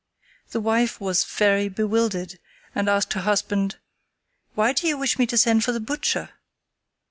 The wife was very bewildered and asked her husband: "Why do you wish me to send for the butcher?"